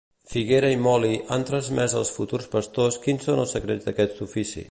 Figuera i Moli han transmès als futurs pastors quins són els secrets d'aquest ofici.